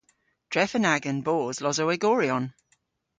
Drefen agan bos Losowegoryon.